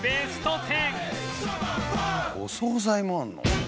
お惣菜もあるの？